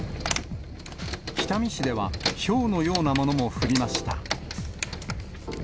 北見市では、ひょうのようなものも降りました。